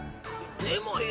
でもよ。